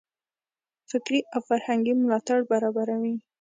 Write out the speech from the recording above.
فکري او فرهنګي ملاتړ برابروي.